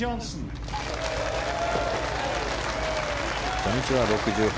初日は６８。